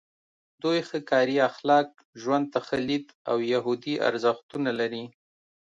دوی ښه کاري اخلاق، ژوند ته ښه لید او یهودي ارزښتونه لري.